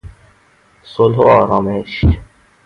صلح و آرامش